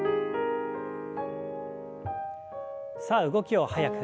さあ動きを早く。